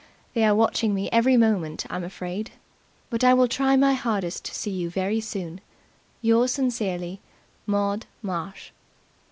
They are watching me every moment, I'm afraid. But I will try my hardest to see you very soon. Yours sincerely, "MAUD MARSH."